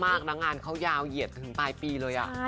นางงานเขายาวเหยียดถึงปลายปีเลยอ่ะ